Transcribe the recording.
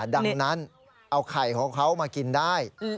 ดังนั้นเอาไข่ของเขามากินได้